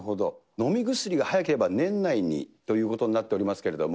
飲み薬が、早ければ年内にということになっておりますけれども。